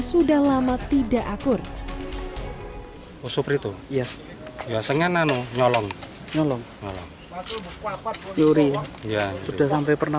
sudah lama tidak akur usup itu ya ya sengenano nyalong nyalong nyalong ya udah sampai pernah